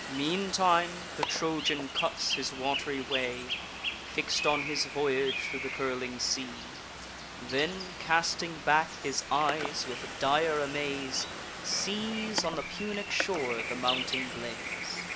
Meantime the Trojan cuts his wat'ry way, Fix'd on his voyage, thro' the curling sea; Then, casting back his eyes, with dire amaze, Sees on the Punic shore the mounting blaze.